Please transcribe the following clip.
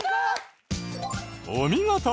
お見事！